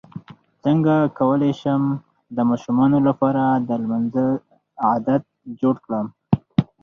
څنګه کولی شم د ماشومانو لپاره د لمانځه عادت جوړ کړم